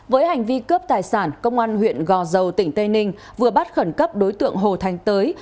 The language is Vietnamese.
với hành vi cướp tài sản công an huyện gò dầu tỉnh tây ninh vừa bắt khẩn cấp đối tượng hồ thành tới